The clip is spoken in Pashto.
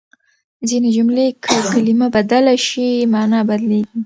ځينې جملې که کلمه بدله شي، مانا بدلېږي.